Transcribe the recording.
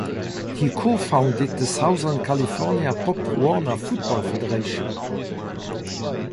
He co-founded the Southern California Pop Warner Football Federation.